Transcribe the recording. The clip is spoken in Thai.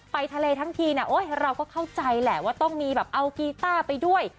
ไปทะเลทั้งทีเนี่ยโอ๊ยเราก็เข้าใจแหละว่าต้องมีแบบเอากีต้าไปด้วย